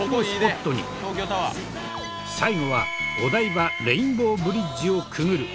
最後はお台場レインボーブリッジをくぐる。